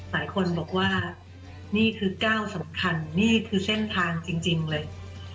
หลายคนบอกว่านี่คือก้าวสำคัญนี่คือเส้นทางจริงเลย